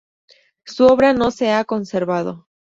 Su obra no se ha conservado.